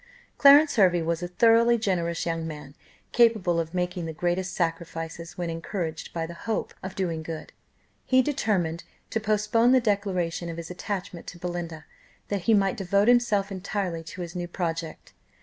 Clarence Hervey was a thoroughly generous young man: capable of making the greatest sacrifices, when encouraged by the hope of doing good, he determined to postpone the declaration of his attachment to Belinda, that he might devote himself entirely to his new project.